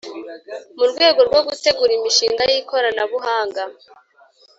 mu rwego rwo gutegura imishinga y’ikoranabuhanga